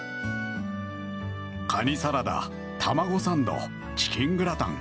カニサラダ、たまごサンドチキングラタン